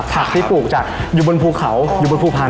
ผักที่ปลูกจากอยู่บนภูเขาอยู่บนภูพาล